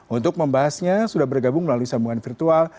untuk membahasnya sudah bergabung melalui sambungan virtual